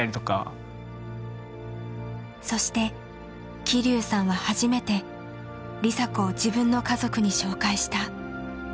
そして希龍さんは初めて梨紗子を自分の家族に紹介した。